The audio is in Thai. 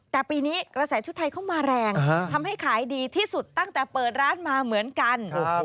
แต่ปีนี้กระแสชุดไทยเข้ามาแรงทำให้ขายดีที่สุดตั้งแต่เปิดร้านมาเหมือนกัน